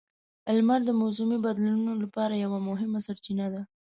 لمر د موسمي بدلونونو لپاره یوه مهمه سرچینه ده.